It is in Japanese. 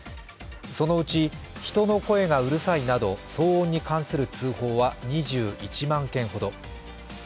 そのうち人の声がうるさいなど、騒音に関する通報は２１万件ほど。